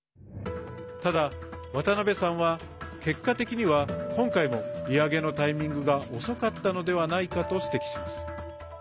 ただ、渡辺さんは結果的には今回も利上げのタイミングが遅かったのではないかと指摘します。